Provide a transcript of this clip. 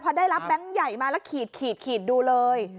พอได้รับแบงค์ใหญ่มาแล้วขีดดูเลย